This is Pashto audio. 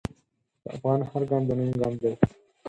د افغان هر ګام د ننګ ګام دی.